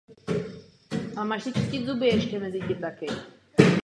Jedním z jeho hlavních přínosů bylo zkoumání vztahu mezi statusem a rolí.